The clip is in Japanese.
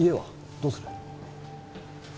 どうする？